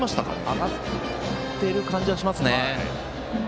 上がっている感じはしますね。